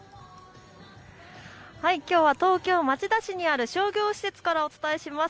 きょうは東京町田市にある商業施設からお伝えします。